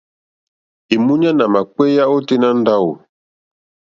Èmúɲánà àmà kpééyá ôténá ndáwù.